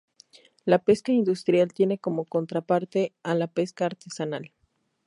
La pesca industrial tiene como contra parte a la pesca artesanal.